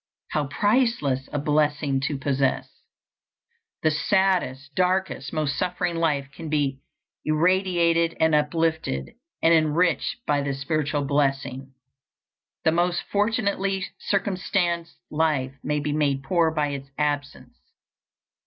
How priceless a blessing to possess! The saddest, darkest, most suffering life can be irradiated and uplifted and enriched by this spiritual blessing. The most fortunately circumstanced life may be made poor by its absence.